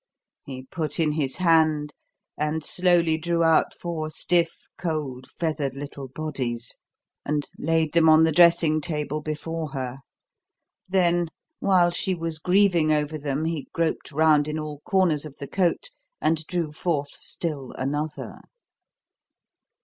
He put in his hand, and slowly drew out four stiff, cold, feathered little bodies, and laid them on the dressing table before her; then, while she was grieving over them, he groped round in all corners of the cote and drew forth still another.